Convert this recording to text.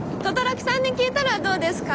轟さんに聞いたらどうですか？